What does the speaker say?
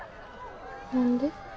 何で？